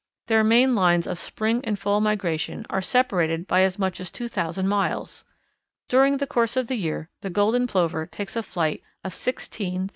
Their main lines of spring and fall migration are separated by as much as two thousand miles. During the course of the year the Golden Plover takes a flight of sixteen thousand miles. _The World's Migrating Champion.